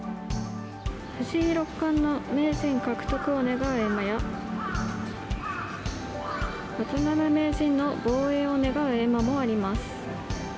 藤井六冠の名人獲得を願う絵馬や、渡辺名人の防衛を願う絵馬もあります。